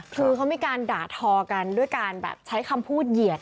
คือเขามีการด่าทอกันด้วยการแบบใช้คำพูดเหยียด